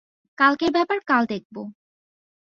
কালকের ব্যাপার কাল দেখব।